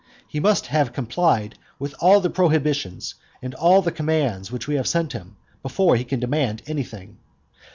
He must have complied with all the prohibitions and all the commands which we have sent him, before he can demand anything.